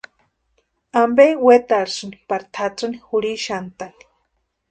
¿Ampe wetarhisïnki pari tʼatsïni jurhixantʼani?